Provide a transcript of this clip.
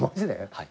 はい。